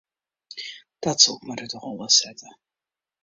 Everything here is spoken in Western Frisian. Dat soe ik mar út 'e holle sette.